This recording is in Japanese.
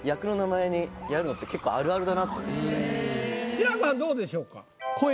志らくはんどうでしょうか？